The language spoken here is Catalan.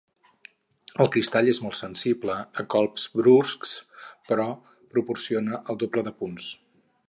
El cristall és molt sensible a colps bruscs, però proporciona el doble de punts.